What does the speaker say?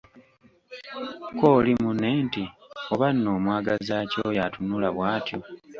Kko oli munne nti, Oba nno amwagaza ki oyo atunula bw’atyo?